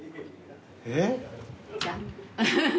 えっ？